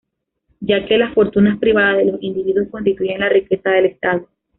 Ya que las fortunas privadas de los individuos constituyen la riqueza del estado.